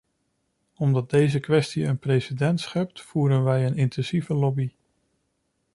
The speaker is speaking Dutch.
Omdat deze kwestie een precedent schept, voeren we een intensieve lobby.